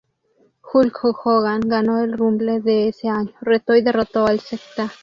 Hulk Hogan ganó el Rumble ese año, retó y derrotó al Sgt.